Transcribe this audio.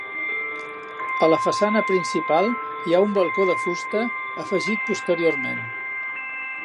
A la façana principal hi ha un balcó de fusta, afegit posteriorment.